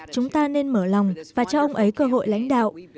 chúng ta nên mở lòng và cho ông ấy cơ hội lãnh đạo